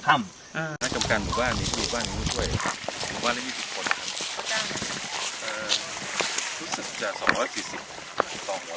นากลางการบุบันหนึ่งลูกบ้านต้องช่วย